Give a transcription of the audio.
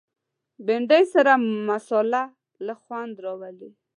بېنډۍ سره مصالحه ښه خوند راولي